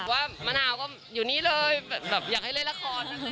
ว่ามะนาวก็อยู่นี่เลยแบบอยากให้เล่นละคร